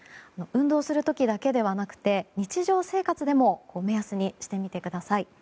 運動する時だけではなくて日常生活でも目安にしてみてください。